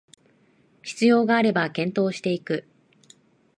必要があれば検討していく